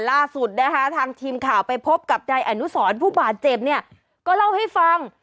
ล่าสุดนะคะทางทีมข่าวไปพบกับนายอนุสรผู้บาดเจ็บเนี่ยก็เล่าให้ฟัง